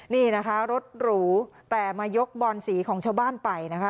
นี่นะคะรถหรูแต่มายกบอนสีของชาวบ้านไปนะคะ